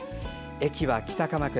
駅は北鎌倉。